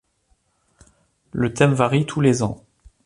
Le thème varie tous les ans.